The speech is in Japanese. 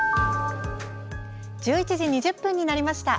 １１時２０分になりました。